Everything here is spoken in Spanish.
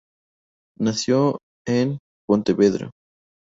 Nacido en Pontevedra.